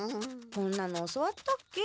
こんなの教わったっけ？